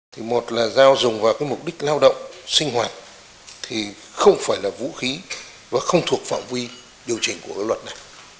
thì một là giao dùng vào mục đích lao động sinh hoạt thì không phải là vũ khí và không thuộc phạm vi điều chỉnh của luật này